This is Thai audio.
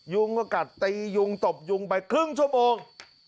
ยุงก็กัดตียุงตบยุงไปครึ่งชั่วโมง